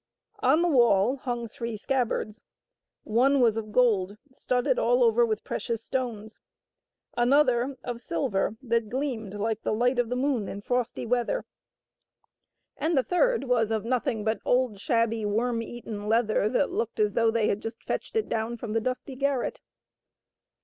On the wall hung three scabbards; one was of gold studded all over with precious stones ; another of silver that gleamed like the light of the moon in frosty weather; and the third was of nothing but old, shabby. 114 '^H^ WHITE BIRD. worm eaten leather that looked as though they had just fetched it down from the dusty garret.